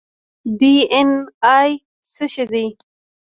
ډي این اې څه شی دی؟